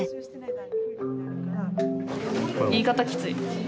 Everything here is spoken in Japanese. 言い方きつい。